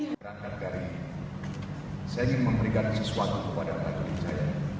saya ingin memberikan sesuatu kepada pak jelisaya